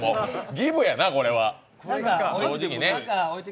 ギブやな、これは、正直ね。